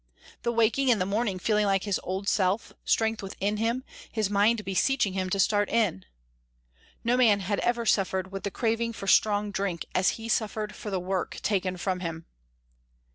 The waking in the morning feeling like his old self, strength within him, his mind beseeching him to start in! No man had ever suffered with the craving for strong drink as he suffered for the work taken from him.